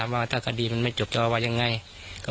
นัดทั้งคนนัดว่าจะไปทรงหน่อยนะ